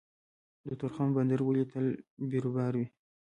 د تورخم بندر ولې تل بیروبار وي؟